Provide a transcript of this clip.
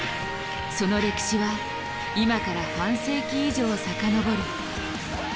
その歴史は今から半世紀以上遡る。